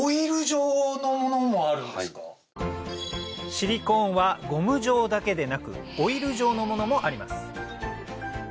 シリコーンはゴム状だけでなくオイル状のものもあります